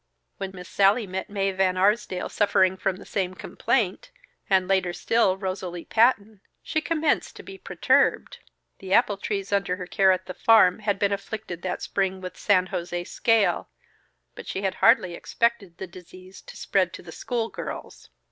When Miss Sallie met Mae Van Arsdale suffering from the same complaint, and later still, Rosalie Patton, she commenced to be perturbed. The apple trees under her care at the farm had been afflicted that spring with San José scale, but she had hardly expected the disease to spread to the school girls.